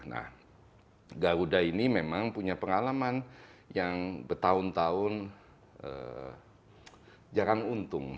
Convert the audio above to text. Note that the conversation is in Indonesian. nah garuda ini memang punya pengalaman yang bertahun tahun jarang untung